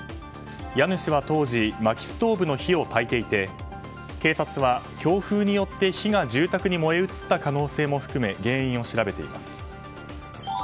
家主は当時まきストーブの火をたいていて警察は強風によって火が住宅に燃え移った可能性も含め原因を調べています。